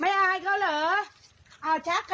อายเขาเหรอ